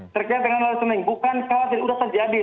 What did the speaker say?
terjadi dengan learning loss bukan kalau sudah terjadi